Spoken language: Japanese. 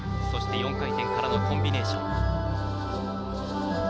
そして４回転からのコンビネーション。